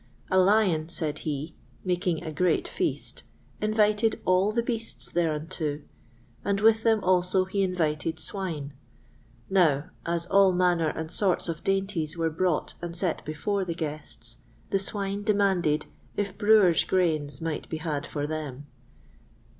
A Lion, said he, making a great feast, invited all the beasts thereunto, and with them also he invited swine. Now, as all manner and sorts of dainties were brought and set before the guests, the swine demanded if Brewer's grains might be had for them.